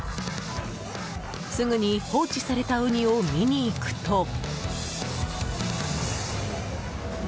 すぐに放置されたウニを見にいくと。